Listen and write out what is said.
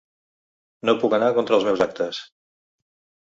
No puc anar contra els meus actes.